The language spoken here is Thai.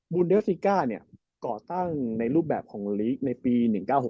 เดอร์ซิก้าเนี่ยก่อตั้งในรูปแบบของลีกในปี๑๙๖